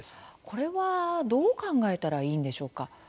これはどう考えたらいいのでしょうか。